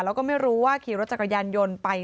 แล้วก็ไม่รู้ว่าขี่รถจักรยานยนต์ไป